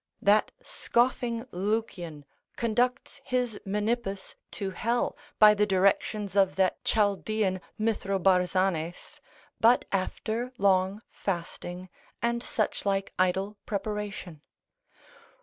That scoffing Lucian conducts his Menippus to hell by the directions of that Chaldean Mithrobarzanes, but after long fasting, and such like idle preparation.